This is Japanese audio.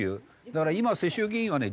だから今世襲議員はね